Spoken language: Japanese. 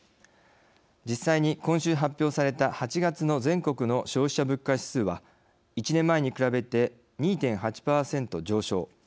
実際に、今週発表された８月の全国の消費者物価指数は１年前に比べて２．８％上昇。